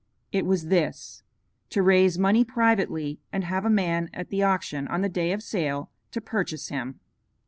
It was this: to raise money privately and have a man at the auction on the day of sale to purchase him.